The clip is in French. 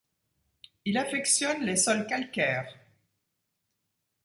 Il affectionne les sols calcaires.